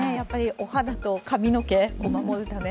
お肌と髪の毛を守るため。